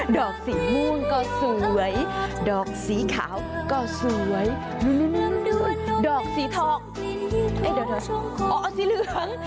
ดอกสีม่วงก็สวยดอกสีขาวก็สวยดอกสีทองอ๋อสีเหลือง